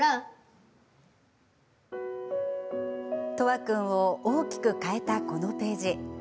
叶和君を大きく変えたこのページ。